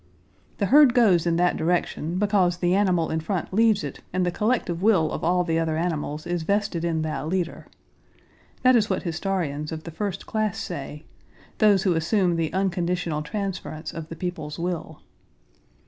"The herd goes in that direction because the animal in front leads it and the collective will of all the other animals is vested in that leader." This is what historians of the first class say—those who assume the unconditional transference of the people's will.